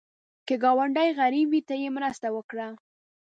که ګاونډی غریب وي، ته یې مرسته وکړه